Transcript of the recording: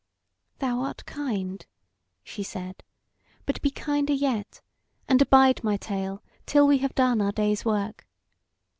"Thou art kind," she said; "but be kinder yet, and abide my tale till we have done our day's work.